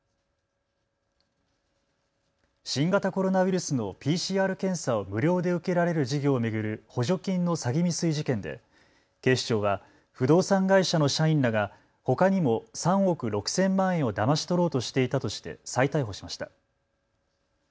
新型コロナウイルスのＰＣＲ検査を無料で受けられる事業を巡る補助金の詐欺未遂事件で警視庁は不動産会社の社員らがほかにも３億６０００万円をだまし取ろうとしていたとして再逮捕しました。